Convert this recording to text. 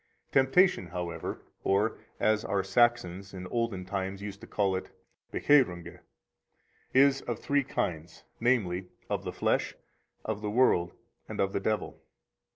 101 Temptation, however, or (as our Saxons in olden times used to call it) Bekoerunge, is of three kinds, namely, of the flesh, of the world, and of the devil.